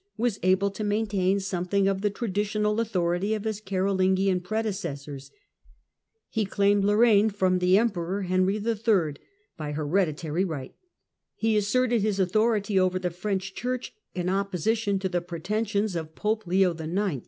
was able to maintain something of the traditional authority of his Carolingian predecessors. He claimed Lorraine from the Emperor Henry III. " by hereditary right." He asserted his authority over the French Church in opposition to the pretensions of Pope Leo IX.